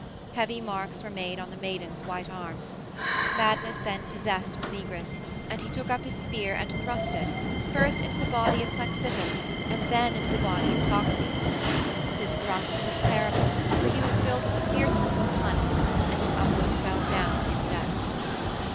Heavy marks were made on the maiden's white arms. Madness then possessed Meleagrus, and he took up his spear and thrust it, first into the body of Plexippus and then into the body of Toxeus. His thrusts were terrible, for he was filled with the fierceness of the hunt, and his uncles fell down in death.